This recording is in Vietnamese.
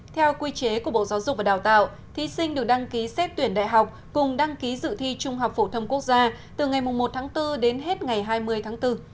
theo quy chế của bộ giáo dục và đào tạo thí sinh được đăng ký xét tuyển đại học cùng đăng ký dự thi trung học phổ thông quốc gia từ ngày một tháng bốn đến hết ngày hai mươi tháng bốn